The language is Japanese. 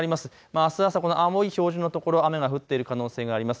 あす朝青い表示の所、雨が降っている可能性があります。